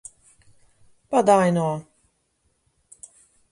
Pa, daj no.